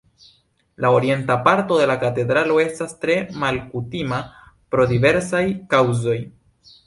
La orienta parto de la katedralo estas tre malkutima pro diversaj kaŭzoj.